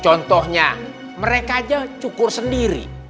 contohnya mereka aja cukur sendiri